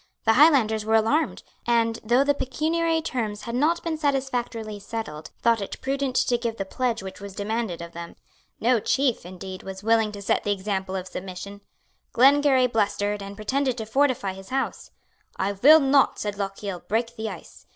The Highlanders were alarmed, and, though the pecuniary terms had not been satisfactorily settled, thought it prudent to give the pledge which was demanded of them. No chief, indeed, was willing to set the example of submission. Glengarry blustered, and pretended to fortify his house. "I will not," said Lochiel, "break the ice.